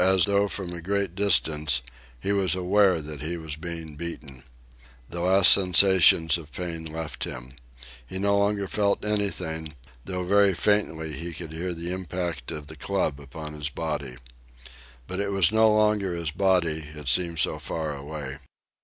As though from a great distance, he was aware that he was being beaten. The last sensations of pain left him. He no longer felt anything, though very faintly he could hear the impact of the club upon his body. But it was no longer his body, it seemed so far away.